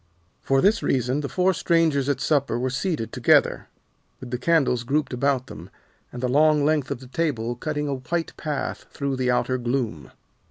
For this reason the four strangers at supper were seated together, with the candles grouped about them, and the long length of the table cutting a white path through the outer gloom.